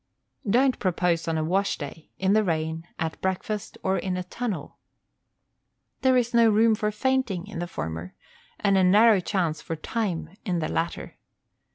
Don't propose on a wash day, in the rain, at breakfast, or in a tunnel. There is no room for fainting in the former, and a narrow chance for time in the latter.